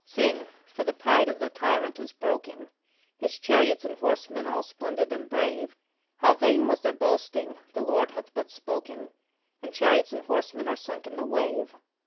Sing for the pride of the tyrant is broken, His chariots and horsemen all splendid and brave, How vain was their boasting! the Lord hath but spoken, And chariots and horsemen are sunk in the wave.